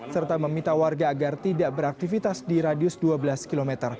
serta meminta warga agar tidak beraktivitas di radius dua belas km